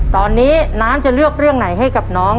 ตอนนี้น้ำจะเลือกเรื่องไหนให้กับน้อง